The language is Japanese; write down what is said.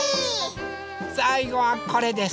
さいごはこれです。